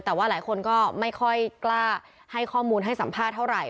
แต่ว่าหลายคนก็ไม่ค่อยกล้าให้ข้อมูลให้สัมภาษณ์เท่าไหร่